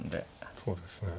そうですね。